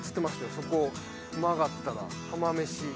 そこ曲がったら浜めし。